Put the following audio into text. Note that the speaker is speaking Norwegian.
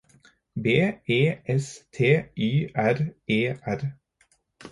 B E S T Y R E R